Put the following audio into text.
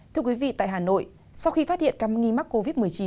thưa quý vị tại hà nội sau khi phát hiện ca nghi mắc covid một mươi chín